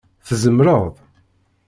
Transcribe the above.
Tzemreḍ.